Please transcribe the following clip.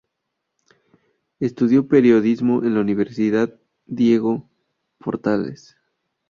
Estudió periodismo en la Universidad Diego Portales.